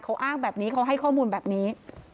เขาอ้างแบบนี้เขาให้ข้อมูลแบบนี้